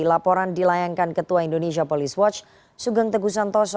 laporan dilayangkan ketua indonesia police watch sugeng teguh santoso